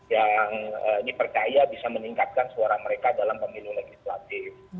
yang dipercaya bisa meningkatkan suara mereka dalam pemilu legislatif